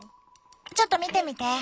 ちょっと見てみて。